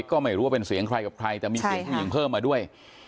ก็ไม่รู้ว่าเป็นเสียงใครกับใครแต่มีเสียงผู้หญิงเพิ่มมาด้วย